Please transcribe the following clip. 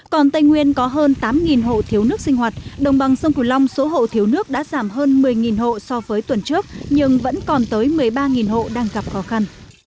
còn tây nguyên có hơn tám hộ thiếu nước sinh hoạt đồng bằng sông cửu long số hộ thiếu nước đã giảm hơn một mươi hộ so với tuần trước nhưng vẫn còn tới một mươi ba hộ đang gặp khó khăn